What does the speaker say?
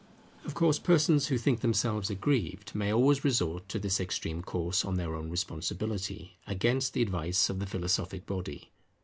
Of course persons who think themselves aggrieved may always resort to this extreme course on their own responsibility, against the advice of the philosophic body.